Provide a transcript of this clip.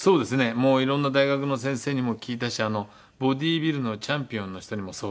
もういろんな大学の先生にも聞いたしボディビルのチャンピオンの人にも相談に行ったり。